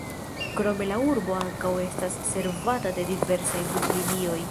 Krome la urbo ankaŭ estas servata de diversaj buslinioj.